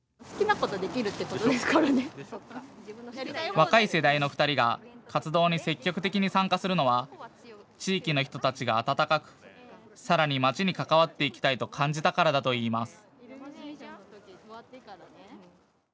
若い世代の２人が活動に積極的に参加するのは地域の人たちが温かくさらに街に関わっていきたいと感じたからだといいます。